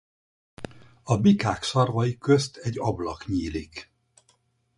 A bikák szarvai közt egy ablak nyílik.